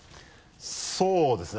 そうですね